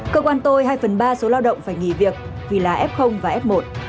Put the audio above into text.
cơ quan tôi hai phần ba số lao động phải nghỉ việc vì là f và f một